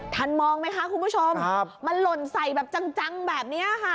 ทันมองไหมคะคุณผู้ชมมันหล่นใส่แบบจังแบบนี้ค่ะ